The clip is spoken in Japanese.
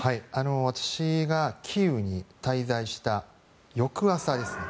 私がキーウに滞在した翌朝ですね